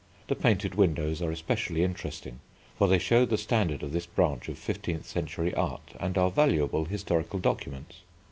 The painted windows are especially interesting, for they show the standard of this branch of fifteenth century art and are valuable historical documents.